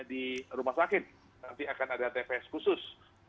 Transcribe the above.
di rumah sakit nanti akan ada tps khusus